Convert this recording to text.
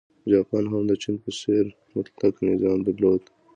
جاپان هم د چین په څېر مطلقه نظام درلود.